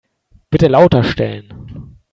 Bitte lauter stellen.